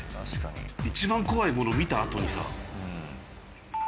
一番怖いもの見たあとにさ。